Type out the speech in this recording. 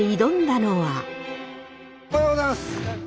おはようございます。